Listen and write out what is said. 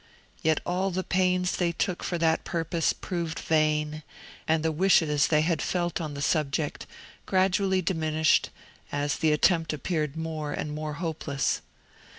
Yet all the pains they took for that purpose proved vain, and the wishes they had felt on the subject gradually diminished, as the attempt appeared more and more hopeless.